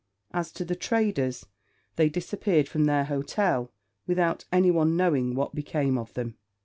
As to the traders, they disappeared from their hotel without anyone knowing what became of them.